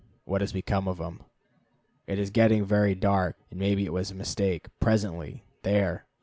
What has become of him? It is getting very dark, and maybe it was a mistake. Presently, there!